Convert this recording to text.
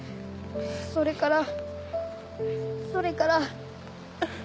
それからそれから。